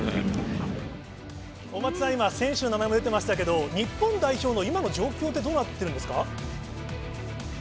大町さん、今、選手の名前も出ていましたけど、日本代表の今の状況ってどうなってるんですか。